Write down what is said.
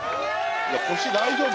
腰大丈夫？